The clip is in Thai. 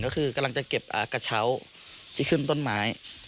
ก็คือกำลังจะเก็บกระเช้าที่ขึ้นต้นไม้